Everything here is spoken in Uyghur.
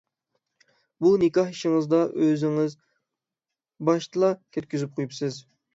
بۇ نىكاھ ئىشىڭىزدا ئۆزىڭىز باشتىلا كەتكۈزۈپ قويۇپسىز.